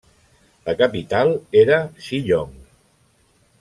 La capital era Shillong.